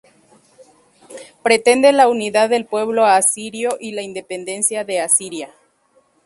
Pretende la unidad del pueblo asirio y la independencia de Asiria.